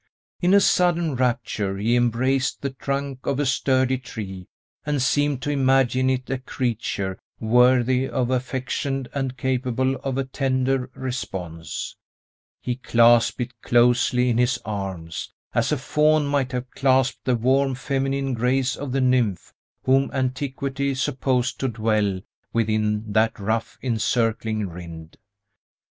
In a sudden rapture he embraced the trunk of a sturdy tree, and seemed to imagine it a creature worthy of affection and capable of a tender response; he clasped it closely in his arms, as a Faun might have clasped the warm feminine grace of the nymph, whom antiquity supposed to dwell within that rough, encircling rind.